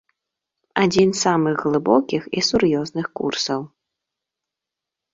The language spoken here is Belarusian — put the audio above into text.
Адзін з самых глыбокіх і сур'ёзных курсаў.